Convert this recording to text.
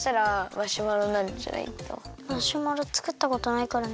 マシュマロつくったことないからな。